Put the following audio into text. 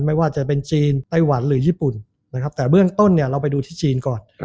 ไม่ว่าจะเป็นจีนไต้หวันหรือญี่ปุ่นนะครับแต่เบื้องต้นเนี่ยเราไปดูที่จีนก่อน